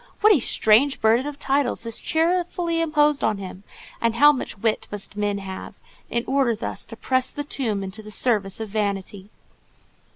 "What a strange burden of titles is cheerfully imposed on him, and how much wit must men have, in order thus to press the tomb into the service of vanity!"